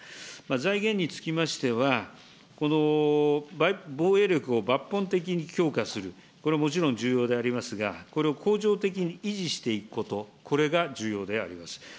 財源につきましては、防衛力を抜本的に強化する、これ、もちろん重要でありますが、これを恒常的に維持していくこと、これが重要であります。